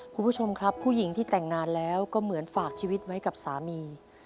คุณผู้ชมครับผู้หญิงที่แต่งงานแล้วก็เหมือนฝากชีวิตไว้กับสามี